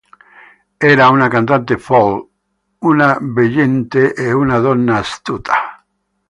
Era una cantante folk, una veggente e una donna astuta.